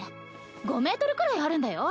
５メートルくらいあるんだよ。